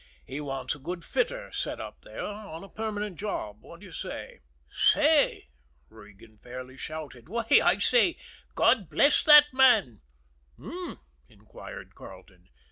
He wants a good fitter sent up there on a permanent job. What do you say?" "Say?" Regan fairly shouted. "Why, I say, God bless that man!" "H'm?" inquired Carleton.